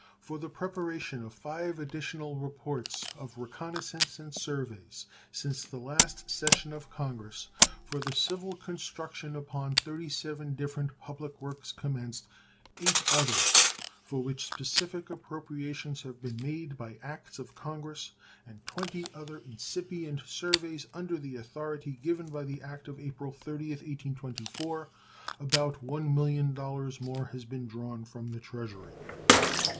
For the preparation of five additional reports of reconnoissances and surveys since the last session of Congress, for the civil construction upon 37 different public works commenced, eight others for which specific appropriations have been made by acts of Congress, and twenty other incipient surveys under the authority given by the act of April 30th, 1824, about $1,000,000 more has been drawn from the Treasury.